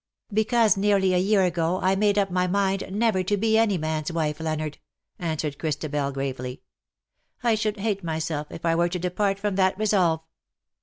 '''" Because nearly a year ago I made up my mind never to be any man^s wife^, Leonard/'' answered Christabel, gravely. "1 should hate myself if I were to depart from that resolve.